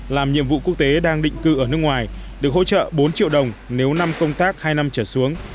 làm nhiệm vụ quốc tế đang định cư ở nước ngoài được hỗ trợ bốn triệu đồng nếu năm công tác hai năm trở xuống